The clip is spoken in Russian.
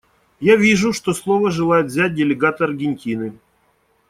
Я вижу, что слово желает взять делегат Аргентины.